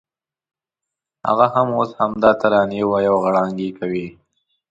هغه هم اوس همدا ترانې وایي او غړانګې کوي.